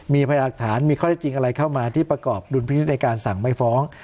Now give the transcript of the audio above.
มีพยาบาลอักษรมีข้อเท็จจริงอะไรเข้ามาที่ประกอบดุลพิษในการสั่งไม่ฟ้อง